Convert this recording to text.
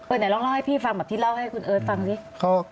ไหนลองเล่าให้พี่ฟังแบบที่เล่าให้คุณเอิร์ทฟังดิ